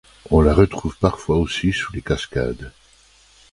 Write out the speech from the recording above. On la trouve parfois aussi sous les cascades.